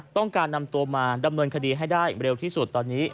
ต้องการนำตัวมาดำเนินคดีให้ได้เร็วที่สุดตอนนี้